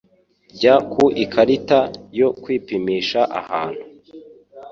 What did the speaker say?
Jya ku ikarita yo kwipimisha ahantu.